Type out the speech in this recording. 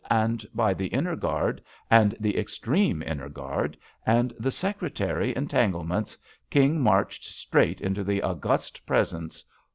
And by the inner guard and the extreme inner guard and the secretary entanglements, King marched straight into the august Presence.